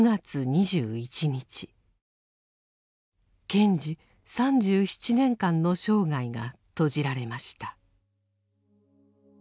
賢治３７年間の生涯が閉じられました。